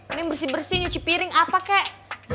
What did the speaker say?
ini bersih bersih nyuci piring apa kek